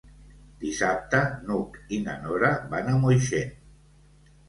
Dissabte n'Hug i na Nora van a Moixent.